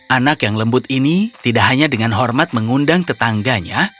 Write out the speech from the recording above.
anak yang lembut ini tidak hanya dengan hormat mengundang tetangganya